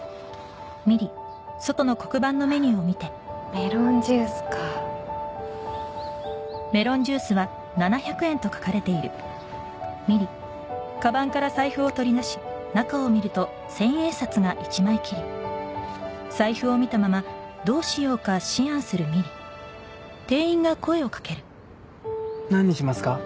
メロンジュースかなんにしますか？